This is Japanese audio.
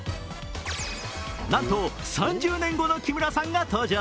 なんと３０年後の木村さんが登場。